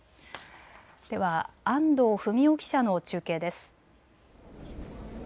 では安藤文音記者の中継です。